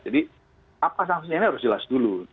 jadi apa sanksinya ini harus jelas dulu